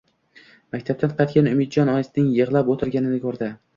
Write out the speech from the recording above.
Maktabdan qaytgan Umidjon oyisining yig`lab o`tirganini ko`rdi